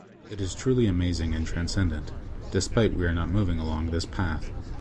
It is truly amazing and transcendent, despite we are not moving along this path